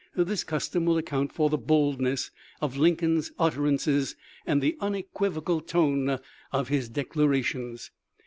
This custom will account for the bold ness of Lincoln's utterances and the unequivocal 1 66 THE LIFE OF LINCOLN. tone of his declarations.